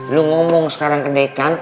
lu ngomong sekarang ke dekant